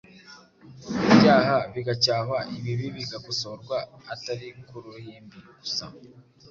ibyaha bigacyahwa, ibibi bigakosorwa, atari ku ruhimbi gusa,